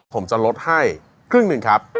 ผมจะลดให้ครึ่งหนึ่งครับ